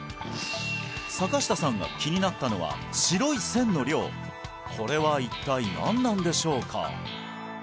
坂下さんが気になったのは白い線の量これは一体何なんでしょうか？